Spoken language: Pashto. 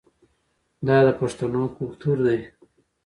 دا د پښتنو کلتور دی.